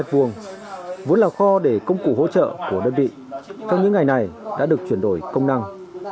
vốn là kho để công cụ hỗ trợ của đơn vị trong những ngày này đã được chuyển đổi công năng